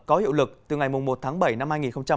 có hiệu lực từ ngày một tháng bảy năm hai nghìn hai mươi